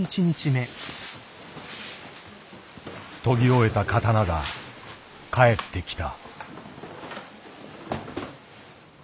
研ぎ終えた刀が帰ってきた。